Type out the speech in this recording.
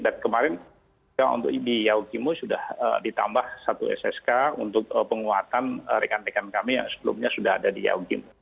dan kemarin di yaukimo sudah ditambah satu ssk untuk penguatan rekan rekan kami yang sebelumnya sudah ada di yaukimo